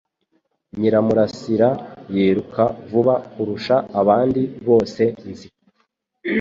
Nyiramurasira yiruka vuba kurusha abandi bose nzi